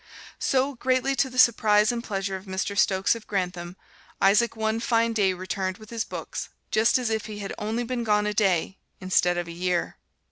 So, greatly to the surprise and pleasure of Mr. Stokes of Grantham, Isaac one fine day returned with his books, just as if he had only been gone a day instead of a year.